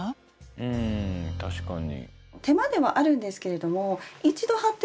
うん確かに。